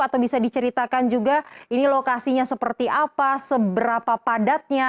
atau bisa diceritakan juga ini lokasinya seperti apa seberapa padatnya